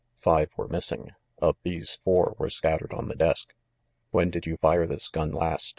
Five were missing. Of these, four were scattered on the desk. "When did you fire this gun last?"